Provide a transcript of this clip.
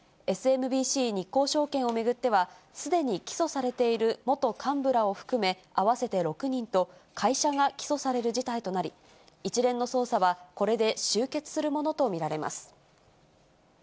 ＳＭＢＣ日興証券を巡っては、すでに起訴されている元幹部らを含め、合わせて６人と、会社が起訴される事態となり、一連の捜査はこれで終結するものと見られます。